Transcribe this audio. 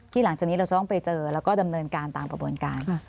หลังจากนี้เราจะต้องไปเจอแล้วก็ดำเนินการตามกระบวนการ